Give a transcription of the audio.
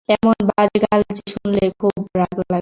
এমন বাজে গাল যে শুনলে খুব রাগ লাগে।